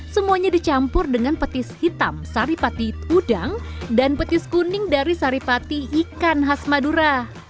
semuanya dicampur dengan petis hitam sari pati udang dan petis kuning dari saripati ikan khas madura